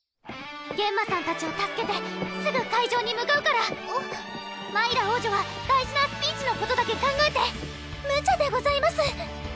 ゲンマさんたちを助けてすぐ会場に向かうからマイラ王女は大事なスピーチのことだけ考えてむちゃでございます